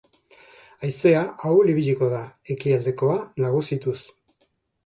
Haizea ahul ibiliko da, ekialdekoa nagusituz.